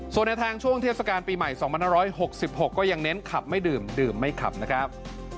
ส่วนในทางช่วงเทศกาลปีใหม่๒๕๖๖ก็ยังเน้นขับไม่ดื่มดื่มไม่ขับนะครับ